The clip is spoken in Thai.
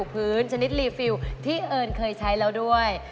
พื้นชนิดรีฟิลที่เอิญเคยใช้แล้วด้วย